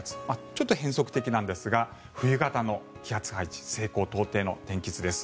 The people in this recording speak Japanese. ちょっと変則的なんですが冬型の気圧配置西高東低の天気図です。